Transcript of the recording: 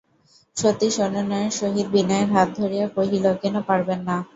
সতীশ অনুনয়ের সহিত বিনয়ের হাত ধরিয়া কহিল, কেন পারবেন না?